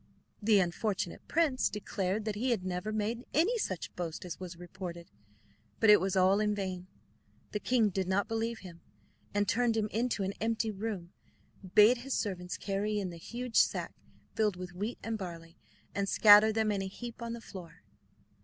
The unfortunate prince declared that he had never made any such boast as was reported; but it was all in vain. The king did not believe him, and turning him into an empty room, bade his servants carry in the huge sack filled with wheat and barley, and scatter them in a heap on the floor.